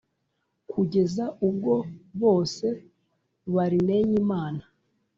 Kugeza ubwo bose barneny’Imana.